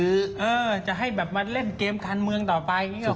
เออจะให้แบบมาเล่นเกมทานเมืองต่อไปก็คงจะยาก